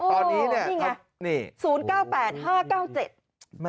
ตอนนี้เนี่ยนี่ไง๐๙๘๕๙๗